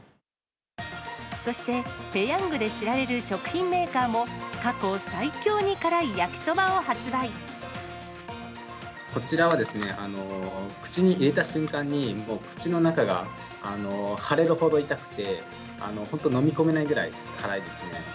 そして、ペヤングで知られる食品メーカーも、こちらはですね、口に入れた瞬間に、もう口の中が腫れるほど痛くて、本当、飲み込めないぐらい辛いですね。